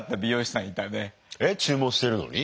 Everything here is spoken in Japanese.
えっ注文してるのに？